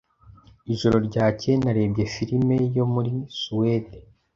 Ijoro ryakeye narebye firime yo muri Suwede.